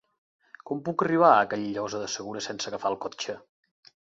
Com puc arribar a Callosa de Segura sense agafar el cotxe?